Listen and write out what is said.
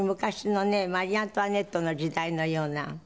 マリー・アントワネットの時代のような。